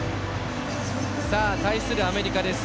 対するアメリカです。